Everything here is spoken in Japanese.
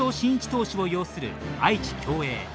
投手を擁する愛知・享栄。